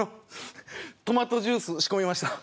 トマトジュース仕込みました。